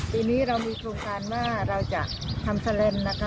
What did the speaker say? ปีนี้เรามีโภคการณ์ว่าเราจะทำแสลมนะคะ